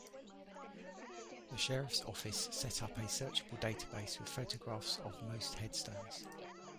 The sheriff's office set up a searchable database with photographs of most headstones.